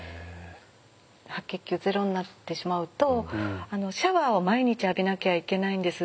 白血球ゼロになってしまうとシャワーを毎日浴びなきゃいけないんです。